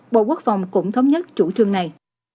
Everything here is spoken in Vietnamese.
bộ quốc phòng cũng thống nhất chủ trương này